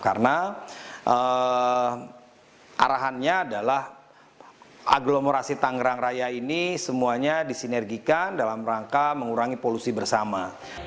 karena arahannya adalah aglomerasi tangerang raya ini semuanya disinergikan dalam rangka mengurangi polusi bersama